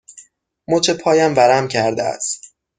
مچ پایم ورم کرده است.